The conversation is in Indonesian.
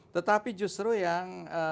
tetapi justru yang